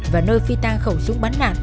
và nơi phi ta khẩu súng bắn nạn